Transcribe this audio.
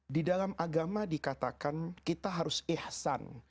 di dalam agama dikatakan kita harus ikhsan